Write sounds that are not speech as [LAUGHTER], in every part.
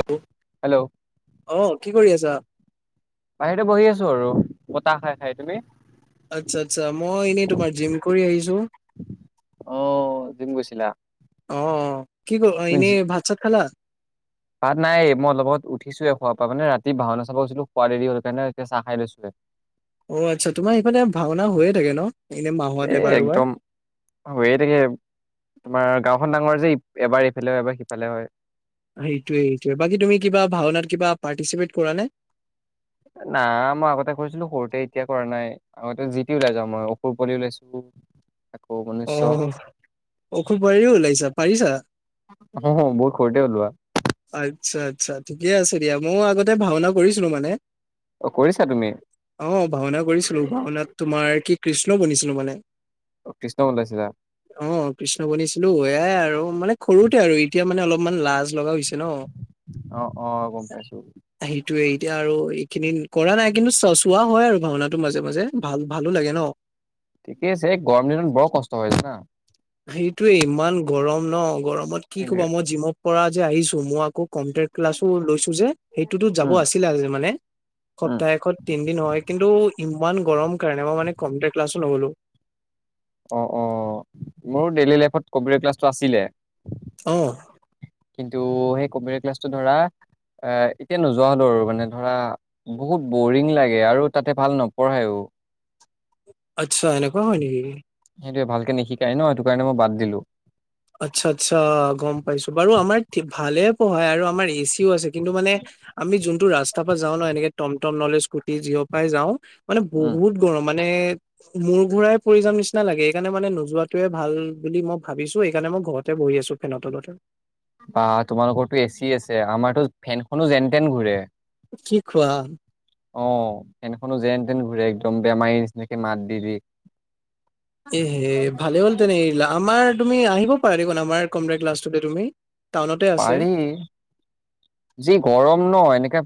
হেল' hello আহ কি কৰি আছা। বাহিৰতে বহি আছো আৰু বতাহ খাই খাই তুমি। আচ্ছা আচ্ছা মই এনেই তোমাৰ জিম কৰি আহিছো। অ জিম গৈছিলা। অ কি ক এনে ভাত চাত খালা। পাত নাই মই অলপত উঠিছোয়ে খোৱাৰ পৰা মানে ৰাতি ভাওনা চাব গৈছিলো খোৱা দেৰি হল কাৰণে এতিয়া চাহ খাই লৈছোয়ে। অ আচ্ছা তোমাৰ ইফালে ভাওনা হৈয়ে থাকে ন। এনে মাহত এ এবাৰ দুবাৰ একদম তাকে তোমাৰ গাঁওখন ডাঙৰ যে। এবাৰ ইফালে হয় এবাৰ সিফালে হয়। সেইটোৱে এইটোৱে বাকী তুমি কিবা ভাওনাত কিবা পাৰ্টিচিপেট কৰা নে। না মই আগতে কৰিছিলো সৰুতে এতিয়া কৰা নাই আগতে যি তি ওলাই যাওঁ মই অসুৰ পোৱালি ওলাইছো। আকৌ অ মনুষ্য অসুৰ পোৱালি ওলাইছা পাৰিছা। অ বহুত সৰুতে ওলোৱা আতছা আতছা ঠিকে আছে দিয়া ময়ো আগতে ভাওনা কৰিছিলো মানে অ কৰিছা তুমি অ ভাওনা কৰিছিলো ভাওনাত তোমাৰ কি কৃষ্ণ বনিছি কিনো মানে অ কৃষ্ণ বন ওছে। অ কৃষ্ণ বনিছিলো এয়াই আৰু মানে সৰুতে আৰু এতিয়া মানে অলপমান লাজ লগা হৈছে। অ অ অ গম পাইছো সেইটোৱেই। এতিয়া আৰু এইখিনি কৰা নাই কিন্তু চ চোৱা হয় আৰু ভাওনাটো মাজে মাজে ভাল ভালো লাগে ন। ঠিকেই আছে গৰম দিনত বৰ কষ্ট হয় জানা। সেইটোয়ে ইমান গৰম ন গৰমত কি সেইটোৱে কবা মই জিমৰ পৰা যে আহিছো মই। আকৌ কনটে ক্লাছো লৈছো যে সেইটোতো যাব উম আছিলে মানে। উম সপ্তাহত তিন দিন হয় কিন্তু ইমান গৰম কাৰণে মই মানে কনটে ক্লাছো নগলো। অ অ মোৰ ডেইলী লাইফত কম্পিউটাৰ ক্লাছটো আছিলে। অহ। কিন্তু সেই কম্পিউটাৰ ক্লাছটো ধৰা। এ এতিয়া নোযোৱা হ'লো আৰু মানে ধৰা বহুত বৰিং লাগে আৰু তাতে ভাল নপঢ়ায়ও। আচ্ছা এনে কোৱা হয় নেকি। সেইটোৱে ভালকে নিশিকাই ন সেইটো কাৰণে মই বাদ দিলো। আচ্ছা আচ্ছা গম পাইছো বাৰু আমাৰ ভালে পঢ়ায় আৰু আমাৰ এ। ও আছে কিন্তু মানে আমি যোনটো ৰাস্তাৰ পৰা যাওঁ ন এনেকে টমটম নহলে স্কুটি যিহৰ পৰাই যাওঁ মানে উম বহুত গৰম মাত মানে মোৰ ঘোৰাই পৰি যাম নিচিনা লাগে এইকাৰণে মানে নোযোৱাতোয়ে ভাল বুলি মই ভাবিছো সেইকাৰণে মই ঘৰতে বহি আছো ফেনৰ তলতে বা তোমালোকতো এচি আছে আমাৰতো ফেনখনো যেন তেন ঘুৰে কি কোৱা অ ফেনখনো যেন তেন ঘূৰে একদম বেমাৰী নিচিনাকে মাত দি দি এহে ভালে হ'ল তেনে এৰিলা আমাৰ তুমি আহিব পৰা দেখুন আমাৰ কম্পিউটাৰ ক্লাষ্ট তোলে তুমি টাউনতে আছে। পাৰি যি গৰম ন এনেকে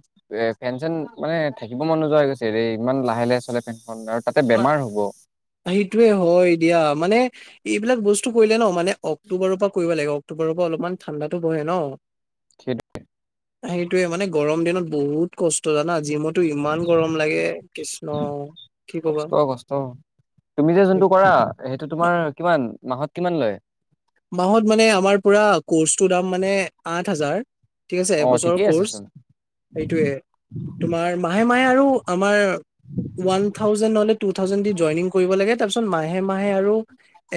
এ ফেন চেন মানে থাকিব মন নোযোৱা হৈ গৈছেৰে ইমান লাহে লাহে চলে ফেনখন আৰু তাতে বেমাৰ হ'ব সেইটোৱে হয় দিয়া মানে এইবিলাক বস্তু কৰিলে ন মানে অক্টোবৰৰ পৰা কৰিব লাগে অক্টোবৰৰ পৰা অলপমান ঠাণ্ডাতো বহে ন সেইটো সেইটোয়ে মানে গৰম দিনত বহুত কষ্ট জানা জিমত টো ইমান গৰম লাগে কৃষ্ণ কি কবা কষ্ট কষ্ট তুমি যে যোনটো কৰা সেইটো তোমাৰ কিমান মাহত কিমান লয় মাহত মানে আমাৰ পুৰা কৰ্চটোৰ দাম মানে আঠ হাজাৰ ঠিক আছে অ', এবছৰৰ ঠিকেই আছে কৰ্চ চোন সেইটোয়ে তোমাৰ মাহে মাহে আৰু আমাৰ ওৱান থাউজেনড নহলে টু থাউজেনড দি জইনিং কৰিব লাগে তাৰপিছত মাহে মাহে আৰু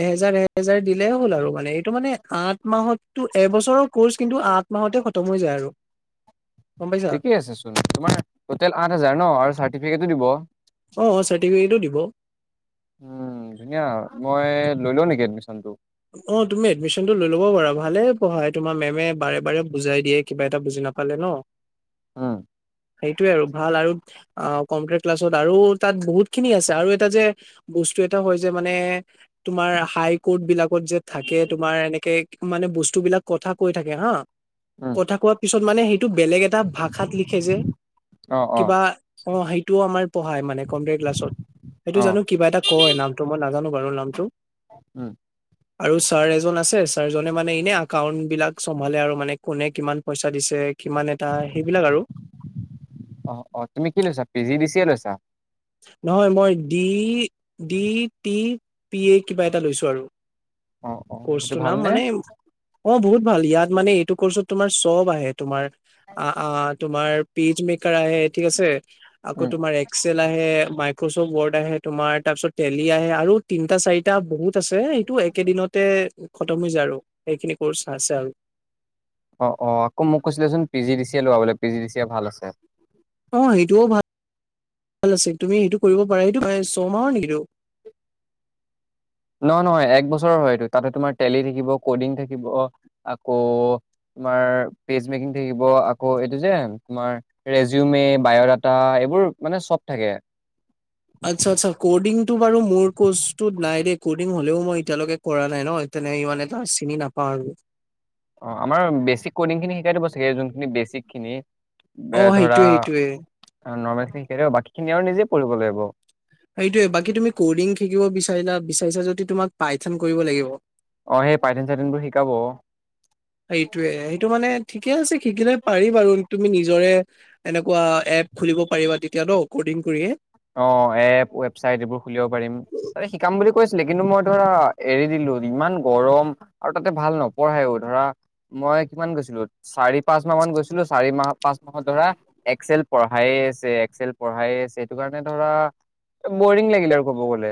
এহেজাৰ এহেজাৰ দিলেই হ'ল আৰু মানে এইটো মানে আঠ মাহতটো এবছৰৰ কৰ্চ কিন্তু আঠ মাহতে খতম হৈ যায় আৰু গম পাইছা ঠিকেই আছে চোন তোমাৰ টোতেল আঠ হাজাৰ ন আৰু চাৰ্টিফিকেট দিব উম অ চাৰ্টিফিকেটো দিব ধুনীয়া মই লৈ লও নেকি এডমিচন অ তুমি এডমিশ্যনতটো লৈ ল'ব পাৰা ভালে পঢ়াই তোমাৰ মেমে বাৰে বাৰে বুজাই দিয়ে কিবা এটা বুজি নাপালে ন ওম সেইটোৱে আৰু ভাল আৰু অ কম্পিউটাৰ ক্লাছত আৰু তাত বহুত খিনি আছে আৰু এটা যে ব স্তু এটা হয় যে মানে তোমাৰ হাইকৰ্ট বিলাক যে থাকে তোমাৰ এনেকে মানে বস্তু বিলাক কথা কৈ থাকে হা উম, কথা কোৱা পিছত টো বেলেগ এটা ভাষাত লিখে যে অ', অ', কিবা অ সেইটোও আমাৰ পঢ়ায় মানে কম্পিউটাৰ ক্লাছত। সেইটো জানো অ', কিবা এটা কয় নামটো মই নাজানো বাৰু নামটো। উম। আৰু ছাৰ এজন আছে ছাৰজনে মানে এনে একাউণ্ট বিলাক চম্ভালে আৰু মানে কোনে কিমান পইচা। দিছে কিমান এটা সেইবিলাক আৰু অ অ তুমি কি লৈছা পি জি দি চিয়ে লৈছা নহয় মই ডি ডি টি পি এ কিবা এটা লৈছো আৰু অ', অ', সেইটো কৰ্চটো নাম ভালনে? মানে অ বহুত ভাল ইয়াত মানে এইটো কৰ্চত তোমাৰ চব আহে তোমাৰ আ আ তোমাৰ পেজ মেকাৰ আহে ঠিক আছে আকৌ উম, তোমাৰ এক্সেল আহে মাইক্ৰ'ছফ্ট ৱৰ্ড আহে তোমাৰ তাৰপিছত টেলি আহে আৰু তিনটা চাৰিটা বহুত আছে এইটো একেইদিনতে খতম হৈ যায় আৰু সেইখিনি কৰ্চ আছে আৰু অ অ আকৌ মোক কৈছিলেচোন পি জি ডি চিয়ে লবা বোলে পি জি ডি চিয়ে ভাল আছে অ সেইটোও ভাল ভাল আছিল তুমি সেইটো কৰিব পাৰা সেটো ছমাহৰ নেকি সেইটো নহয় নহয় এক বছৰৰ হয় এটো তাতে তোমাৰ টেলি থাকিব কডিং থাকিব আকৌ তোমাৰ পেজ মেকিং থাকিব আকৌ এইটো যে তোমাৰ ৰেজিউমে বায়ডাটা এইবোৰ মানে চব থাকে [UNINTELLIGIBLE] আচ্ছা আচ্ছা ক'ডিংটো বাৰু মোৰ কৰ্চটোত নাই দেই ক'ডিং হ'লেও মই এতিয়ালৈকে কৰা নাই ন। তেনে ইমান এটা চিনি নাপাওঁ আৰু। অ আমাৰ বেচিক কডিং খিনি শিকাই দিব চাগে যোনখিনি বেচিক খিনি। অ এ ধৰা সেইটোয়ে সেইটোয়ে নৰ্মেলি শিকাই দিব বাকী খিনি আৰু নিজে কৰিব লাগিব। সেইটোৱে বাকী তুমি কডিং শিকিব বিচাৰা বিচাৰিছা যদি তোমাক পাইথান কৰিব লাগিব। অ সেই পাইটিন চাইটিন বোৰ শিকাব। এইটোৱে সেইটো মানে ঠিকে আছে শিকিলে পাৰিম আৰু। তুমি নিজৰে এনেকোৱা এপ খুলিব পাৰিবা তেতিয়াতৌ কৰ্ডিং কৰিয়ে। অ এপ ৱেবচাইট এইবোৰ খুলিব পাৰিম ত শিকাম বুলি কৈছে। ছিলে কিন্তু মই ধৰা এৰি দিলো ইমান গৰম আৰু তাতে ভাল নপঢ়াইও ধৰা। মই কিমান গৈছিলো চাৰি পাঁচ মাহ মান গৈছিলো চাৰি মাহ পাঁচ মাহত ধৰা এক্স এল পঢ়াই। চে এক্লেল পঢ়াইয়ে আছে সেইটো কাৰণে ধৰা বৰিং লাগিলে আৰু ক'ব গ'লে।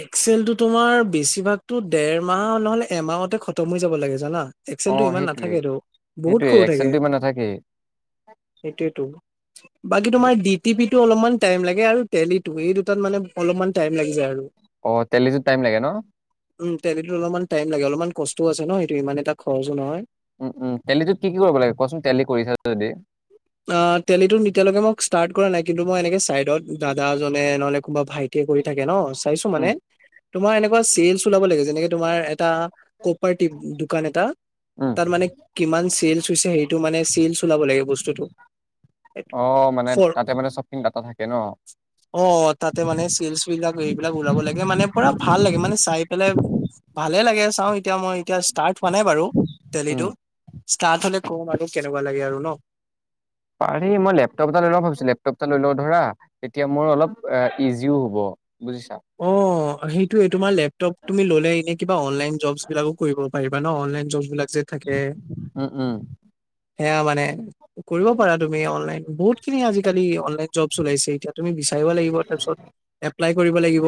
এক্সেল টো তোমাৰ বেছিভাগতো ডেৰমাহ নহলে এমাহতে খতম হৈ যাব লাগে জানা। এক্সেলটো অ', ইমান সেইটোয়ে নাথাকেতো বহুত সেইটোয়ে সৰু থাকে। এক্সেলটো ইমান নাথাকেই। সেইটোৱেতো বাকী তোমাৰ ডি টি পি। টো অলপমান টাইম লাগে আৰু টেলীতো এই দুটাত মানে অলপমান টাইম লাগি যায় আৰু। অ', টেলিটোত টাইম লাগে ন উম টেলিতো অলপমান টাইম লাগে অলপমান। কষ্টও আছে ন সেইটো ইমান এটা খৰচো নহয়। উম উম টেলিতো কি কি কৰিব লাগে কচোন টেলি কৰিছা যদি। অ তেলীটোত এতিয়ালৈকে মোক ষ্টাৰ্ট কৰা নাই কিন্তু মই এনেকে চাইডত দাদাজনে নহলে কোনোবা ভাইট। টিয়ে কৰি থাকে ন চাইছো মানে। উম, তোমাৰ এনেকোৱা চেলছ ওলাব লাগে যেনেকে তোমাৰ এটা কপাৰ্টি দোকান এটা। উম, তাত মানে কিমান চেলচ হৈছে সেইটো মানে চেলচ ওলাব লাগে বস্তুটো। অ মানে ফৰ তাতে মানে শ্বপিং কটা থাকে ন। অ তাতে মানে চিলচ বিলাক এইবিলাক ওলাব লাগে মানে পুৰা ভাল লাগে মানে চাই পেলাই। ভালে লাগে চাওঁ এতিয়া মই এতিয়া ষ্টাৰ্ট হোৱা নাই বাৰু উম। টেলিতো। ষ্টাৰ্ট হলে কম আৰু কেনেকোৱা লাগে আৰু ন। পাৰি মই লেপটপ এটা লৈ লওঁ ভাবিছো, লেপটপ এটা লৈ লওঁ ধৰা তেতিয়া মোৰ অলপ ইজিও হ'ব। বুজিছা অ সেইটোৱে তোমাৰ লেপটপ তুমি ল'লে এনেই কিবা অনলাইন জব বিলাকো কৰিব-। পাৰিবা ন' অনলাইন জব বিলাক যে থাকে। উম, উম। সেয়া মানে-। কৰিব পাৰা তুমি অনলাইন বহুত-। খিনি আজিকালি অনলাইন জব চলাইছে এতিয়া তুমি বিচাৰি লাগিব তাৰপিছত এপ্লাই কৰিব লাগিব।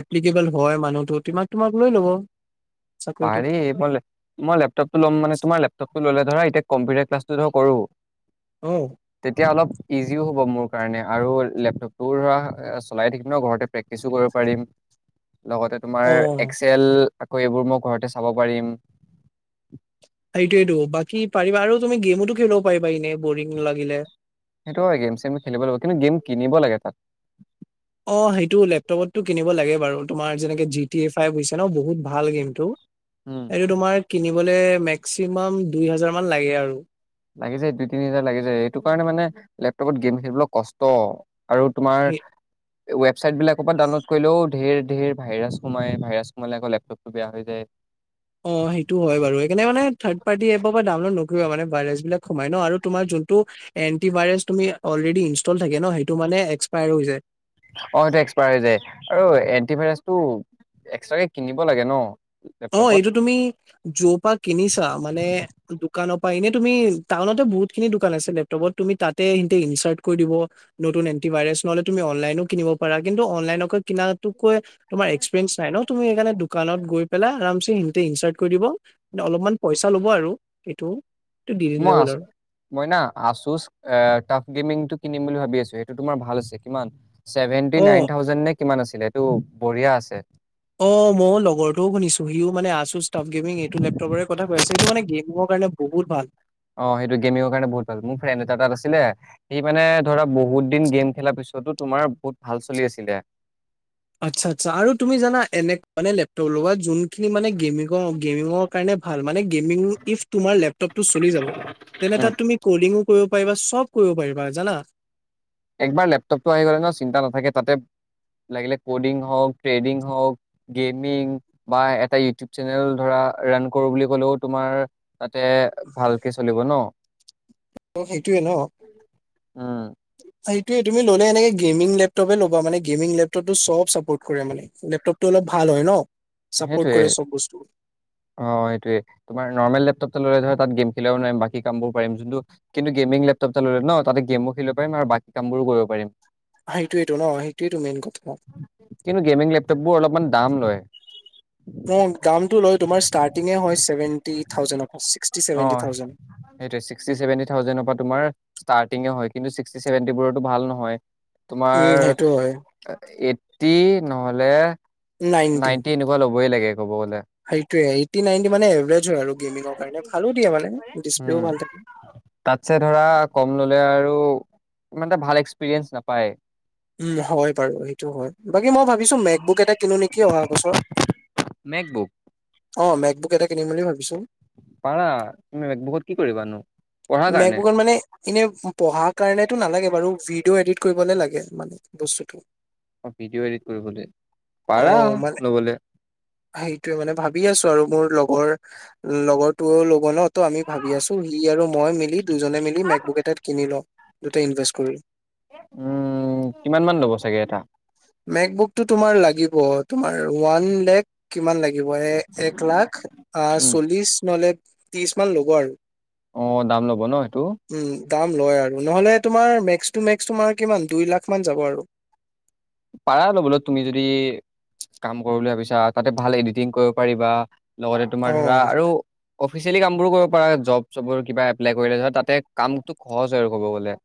এপ্লি কিবল হয় মানুহ টো তোমাক তোমাক লৈ ল'ব। চাকৰিটোত পাৰি মই মই লেপটপটো ল'ম মানে তোমাৰ লেপটপ টো ল'লে ধৰা- কম্পিউটাৰ ক্লাছল টো কৰো অ তেতিয়া অলপ- ইজিও হ'ব মোৰ কাৰণে আৰু লেপটপটোও ধৰা চলাই থাকিম ন' ঘৰতে প্ৰেক্টিচো কৰিব পাৰিম। [UNINTELLIGIBLE] লগতে অ তোমাৰ এক্সেল, আকৌ এইবোৰ মই ঘৰতে চাব পাৰিম। সেইটোয়ে টো বাকী পাৰিবা আৰু তুমি গেমতো খেলিব পাৰিবা এনেই বৰিং লাগিলে। সেইটো হয় গেম চেম খেলিব লাগিব কিন্তু গেম কিনিব লাগে তাত অঁ সেইটো লেপটপ টো কিনিব লাগে বাৰু। তোমাৰ যেনে-। ন' বহুত ভাল গেমটো। এইটো তোমাৰ কিনিব-। মেক্সিমাম দুই হাজাৰ মান লাগে আৰু। লাগি যায়। দুই, তিনি হাজাৰ লাগি যায়। এইটো কাৰণে মানে লেপটপত গেম খেলিবলৈ কষ্ট। আৰু তোমাৰ সেই ৱেব চাইট বিলাক পৰা ডাউনলোড কৰিলেও-। ধেৰ ধেৰ ভাইৰাছ সোমাই ভাইৰাছ সোমালে আকৌ লেপটপটো বেয়া হৈ যায়। অঁ সেইটো হয় বাৰু। সেইকাৰণে মানে থাড পাৰ্টি এপৰ পৰা ডাউনলোড নকৰিবা মানে ভাইৰাছ বিলাক সোমাই ন'। আৰু তোমাৰ- যোনটো এন টি ভাইৰাছ তুমি অলৰেডি ইষ্টতল থাকে ন'এক্সপায়াৰ হৈ যাই। অ এক্সপায়াৰ হৈ যায়। আৰু এন্টিভাইৰাছটো এক্সট্ৰাৰকে কিনিব লাগে ন'? অঁ লেপটপত এইটো তুমি জৰ পৰা কিনিছা মানে দোকানত-। এনেই তুমি টাউনত টো বহুতখিনি দোকান আছে লেপটপতৰ তুমি তা'তে ইনচাৰ্ট কৰিব দিব। নতুন- ভাইৰাছ নহ'লে তুমি অনলাইনো কিনিব পাৰা কিন্তু অনলাইনক কিনা তো'ত কৈ- তোমাৰ এক্সপেৰিমেণ্ট নাই ন' তুমি সেইকাৰণে দোকানত গৈ- পেলাই আৰামচে ইনচাৰ্ট কৰি দিব অলপমান পইচা ল'ব আৰু এইটো। এইটো দি দিলে মই হ'ল আছো আৰু মই না আছোচ টাৰ্ফ গেমিং টো কিনিম বুলি- ভাবি আছো সেইটো কিমান চেভেন্ডটি অ নাইট্ৰ থাউজেণ্ড নে - কিমান আছিলে এইটো বঢ়িয়া আছে। অ মইও লগৰটোও শুনিছো সিও মানে আছোছ ষ্টোফ গেমিং এইটো লেপটপৰৰে কথা কৈ আছে সিটো মানে গেমিঙৰ- কাৰণে বহুত ভাল। অ সেইটো গেমিংঙৰ কাৰণে বহুত ভাল মোৰ ফ্ৰেণ্ড এটা তাত আছিলে সি মানে ধৰা বহুত দিন গেম খেলাৰ পিছত- টো তোমাৰ বহুত ভাল চলি আছিলে। ' [UNINTELLIGIBLE] আচ্ছা আচ্ছা। আৰু তুমি জানা এনেই মানে লেপটপ লগোৱা যোনখিনি মানে গেমিঙ গেমিঙৰ কাৰণে- ভাল মানে গেমিংঙৰ ইফ তোমাৰ লেপটপ তো চলি জাব। তেনে তা'ত তুমি কলিঙো কৰিব পাৰিবা চব কৰিব পাৰিবা জানা। একবাৰ লেপটপ টো আহি গ'লে ন' চিন্তা নাথাকে। তা'তে- লাগিলে ক'ডিং হওঁক, ট্ৰেডিং হওঁক, গেমিং বা এটা ইউটিউব চেনেল ধৰা- ৰাণ কৰো বুলি ক'লেও তোমাৰ তা'তে ভালকে চলিব ন'। সেইটোৱে ন'। উম সেইটোৱেই। তুমি ল'লে এনেই গেমিং লেপটপে ল'বা মানে লেপটপ টো চব চাপৰ্ট কৰে মানে। লেটপটো অলপ- ভাল হয় ন'। চাপৰ্ট সেইটোৱে কৰে চব বস্তু অঁ সেইটোৱে তোমাৰ নৰ্মেল লেপটপ- ধৰা তা'ত গেম খেলিব নোৱাৰিম বাকী কামও পাৰি যোনটো কিন্তু গেমিং লেপটপ টা ল'লে ন' তা'তে গেম খেলিব পাৰিম আৰু বাকী কাম বোৰো কৰিব পাৰিম। সেইটোৱে টো ন' সেইটোৱেই মেইন কথা ন'। মেকবোকবোৰ অলপমান দাম লয়। অ দামটো লয় তোমাৰ ইষ্টণ্টিঙে হয় ছেভেন্টি থাউজেণ্ড। ছিক্সটি ছেভেন্টি অঁ চীক্স, ছেভেন্টি থাউজেণ্ড পৰা তোমাৰ ষ্টাৰিং হয়। কিন্ত ছিক্সটি চেভেটিবোৰতো ভাল নহয় তোমাৰ। উম সেইটো হয় ফটি নহলে নাইনটি এনেকুৱা ল'বই লাগে। ক'ব গ'লে সেইটোৱে এইটি নাইনটি মানে এভাৰেজ হয় আৰু গেমিঙৰ কাৰণে। ভালো দিয়ে মানে ডিচপ্লেও উম ভাল থাকে। তাতছে ধৰা কম ললে আৰু। ত ইমানটা ভাল এক্সপৰিয়েঞ্চ নাপায়। উম হয় বাৰু সেইটো হয় বাকী মই ভাবিছো মেকবুক এটা কিনো নেকি অহা বছৰ, মেকবুক অ মেক্স বুক এটা কিনিম বুলি ভাবিছো। পাৰা তুমি বেগ বহুত কি কৰিবানো। পঢ়াৰ কাৰণে মেক্সবুক মানে এনে পঢ়াৰ কাৰণেতটো নালাগে বাৰু ভিডিঅ' এডিট কৰিবলে লাগে। মানে বস্তুটো। অ ভিডিঅ' এডিট কৰিবলৈ পাৰা লবলে। সেইটোয়ে মানে ভাবি আছো আৰু মোৰ। লগৰ লগৰ তোৱয়েও ল'ব ন ত আমি ভাবি আছো সি আৰু মই মিলি দুজনে মিলি মেক বোক এটা কিনি লও দুটা ইনভে কৰি। উম কিমান মান ল'ব চাগে এটা। মেক বুকতটো তোমাৰ লাগিব তোমাৰ ওৱান লেখ। কিমান লাগিব এ এক লাখ আহ উম চল্লিশ নহলে ত্ৰিশ মান ল'ব আৰু। অ দাম ল'ব ন সেইটো। উম দাম লয় আৰু নহলে তোমাৰ মেক্স টু মেক্স তোমাৰ কিমান দুই লাখ মান যাব আৰু। পাৰা ল'বলৈ তুমি যদি, কাম কৰিব বুলি ভাবিছা তাতে ভাল এডিটিং কৰিব পাৰিবা। লগতে তোমাৰ অ ধৰা আৰু। অফিচিয়েলি কাম বোৰো কৰিব পাৰা জব চব কিবা এপ্লাই কৰিলে ধৰ তাতে কামটো সহজ হয় আৰু ক'ব গ'লে।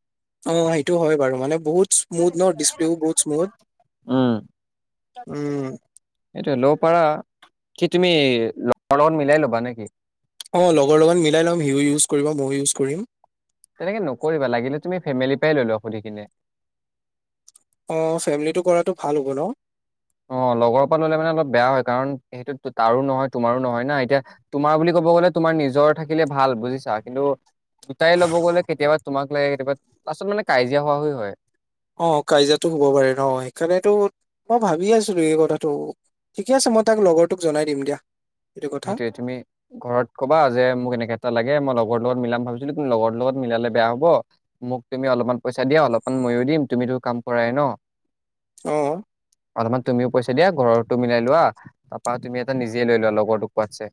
অ সেইটো হয় বাৰু নো বহুত স্মুদ ন ডিছপ্লেও বহুত। বত উম উম। এইটোয় ল'ব পাৰা কি তুমি লগৰ লগত মিলাই ল'বা নেকি। অ লগৰ লগত মিলাই লম সিও ইউজ কৰিব ময়ো ইউজ কৰিম। তেনেকে নকৰিবা লাগিলে তুমি ফেমিলি পৰাই ললো সুধি কিনে। অ ফেমিলিটো কৰাতটো ভাল হ'ব ন। অ লগৰৰ পৰা ললে মানে অলপ বেয়া হয় কাৰণ সেইটো তাৰো নহয় তোমাৰো নহয় না এতিয়া তোমাৰ বুলি ক। ক'ব গলে তোমাৰ নিজৰ থাকিলে ভাল বুজিছা কিন্তু। দুটাই ল'ব গ'লে কেতিয়াবা তোমাক লাগে কেতিয়াবা লাছত মানে কাজিয়া হোৱাহ হয় অ কাজিয়া হব পাৰে ন সেইকাৰণেতো মই ভাবি আছিলো এই কথাটো ঠিকে আছে। মই তাক লগৰটোক জনাই দিম দিয়া। এইটো কথা সেইটোয়ে তুমি ঘৰত কবা যে মোক এনেকাে এটা লাগে মই লগৰ লগত মিলাম ভাবছিলো তুমি লগৰ লগত মিলালে বে হব, মোক তুমি অলপমান পইচা দিয়া অলপমান ময়ো দিম তুমি টো কাম কৰাই ন। আহ। অলপমান তুমিও পইচা দিয়া ঘৰৰত তো মিলাই লোৱা তাৰপৰা তুমি এটা নিজে লৈ লোৱা লগৰটোক কোৱাতছে।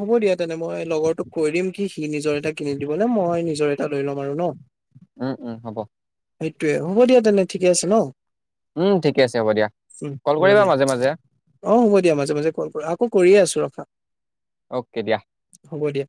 হ'ব দিয়া তেনে মই লগৰটোক কৈ দিম কি সি নিজৰ এটা কিনি দিবনে মই নিজৰ এটা লৈ লম আৰু ন। উম উম হ'ব। সেইটোৱে হ'ব দিয়া তেনে ঠিকে আছে ন। উম ঠিকে আছে হ'ব দিয়া উম কল হ'ব কৰিবা দিয়া, মাজে মাজে অ হ'ব দিয়া মাজে মাজে কল কৰ। আকো কৰিয়ে আছো ৰখা। অ'কে দিয়া। হ'ব দিয়া